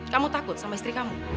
kamu takut sama istri kamu